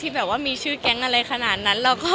แบบว่ามีชื่อแก๊งอะไรขนาดนั้น